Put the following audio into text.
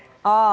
oh lagi dicek